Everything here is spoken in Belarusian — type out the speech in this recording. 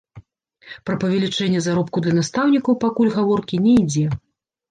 Пра павелічэнне заробку для настаўнікаў пакуль гаворкі не ідзе.